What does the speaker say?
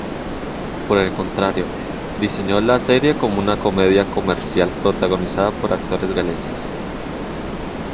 Por el contrario, diseñó la serie como una comedia comercial protagonizada por actores galeses.